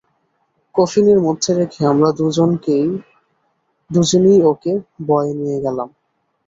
কফিনের মধ্যে রেখে আমরা দুজনেই ওঁকে বয়ে নিয়ে গেলাম।